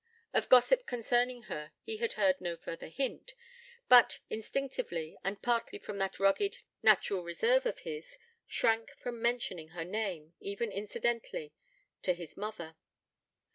Of gossip concerning her he heard no further hint; but instinctively, and partly from that rugged, natural reserve of his, shrank from mentioning her name, even incidentally, to his mother.